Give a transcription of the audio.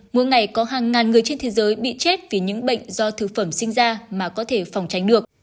mỗi ngày có hàng ngàn người trên thế giới bị chết vì những bệnh do thực phẩm sinh ra mà có thể phòng tránh được